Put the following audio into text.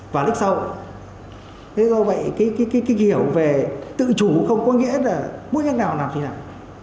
và lúc sau cái hiểu về tự chủ không có nghĩa là muốn làm gì thì làm